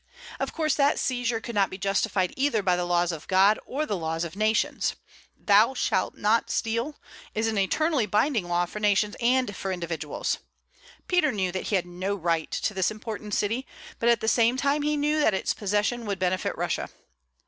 Of course, that seizure could not be justified either by the laws of God or the laws of nations. "Thou shalt not steal" is an eternally binding law for nations and for individuals. Peter knew that he had no right to this important city; but at the same time he knew that its possession would benefit Russia.